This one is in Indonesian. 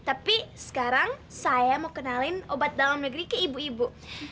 tapi sekarang saya mau kenalin obat dalam negeri ke ibu ibu